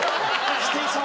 来てそう！